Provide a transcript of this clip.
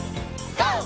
ＧＯ！